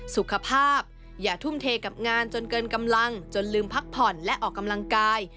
สุขภาพอย่าทุ่มเทกับงานจนเกินกำลังจนลืมพักผ่อนและออกกำลังกาย